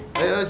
abah yuk pulang